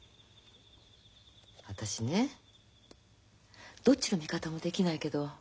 私ねどっちの味方もできないけど